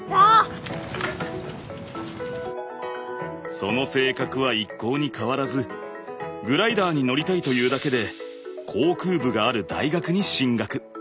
その性格は一向に変わらずグライダーに乗りたいというだけで航空部がある大学に進学。